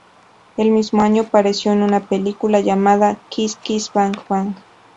El mismo año apareció en una película llamada" "Kiss Kiss Bang Bang".